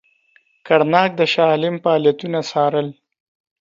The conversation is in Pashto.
کرناک د شاه عالم فعالیتونه څارل.